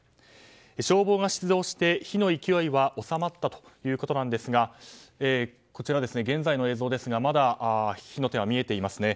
消防が出動して、火の勢いは収まったということですがこちらは現在の映像ですがまだ火の手は見えていますね。